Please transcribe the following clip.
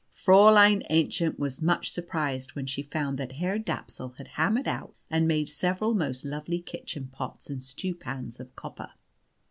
Fräulein Aennchen was much surprised when she found that Herr Dapsul had hammered out and made several most lovely kitchen pots and stew pans of copper.